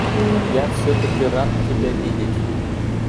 Я всё-таки рад тебя видеть.